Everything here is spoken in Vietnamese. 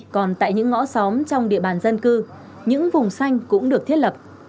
còn tại những ngõ xóm trong địa bàn dân cư những vùng xanh cũng được thiết lập